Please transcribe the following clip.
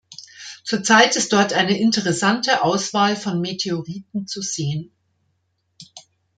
Zurzeit ist dort eine interessante Auswahl von Meteoriten zu sehen.